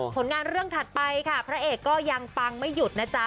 ผลงานเรื่องถัดไปค่ะพระเอกก็ยังปังไม่หยุดนะจ๊ะ